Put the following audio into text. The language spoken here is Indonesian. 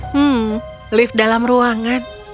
hmm lift dalam ruangan